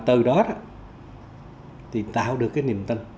từ đó thì tạo được cái niềm tin